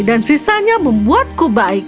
dan sisanya membuatku baik